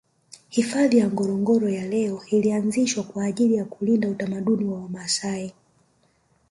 Hifadhi ya Ngorongoro ya leo ilianzishwa kwa ajili ya kulinda utamaduni wa wamaasai